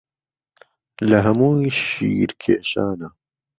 له ههمووی شیر کێشانه